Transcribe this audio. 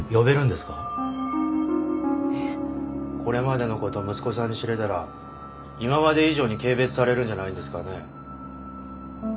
これまでのこと息子さんに知れたら今まで以上に軽蔑されるんじゃないんですかね。